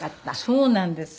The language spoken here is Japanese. そうなんです。